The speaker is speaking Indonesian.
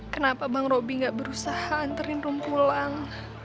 kenapa bang robi gak berusaha anterin rum pulang